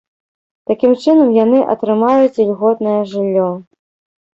Такім чынам, яны атрымаюць ільготнае жыллё.